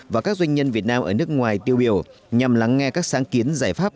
và các doanh nhân việt nam ở nước ngoài tiêu biểu nhằm lắng nghe các sáng kiến giải pháp